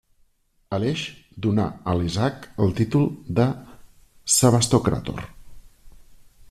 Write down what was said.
Aleix donà a Isaac el títol de sebastocràtor.